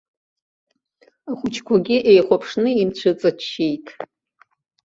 Ахәыҷқәагьы еихәаԥшны инцәыҵаччеит.